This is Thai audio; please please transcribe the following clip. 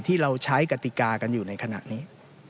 ที่เราใช้กติกากันอยู่ในขณะนี้